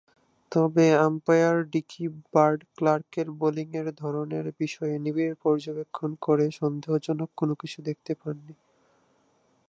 তবে, umpire Dickie Bird ক্লার্কের বোলিংয়ের ধরনের বিষয়ে নিবিড় পর্যবেক্ষণ করে সন্দেহজনক কোন কিছু দেখতে পাননি।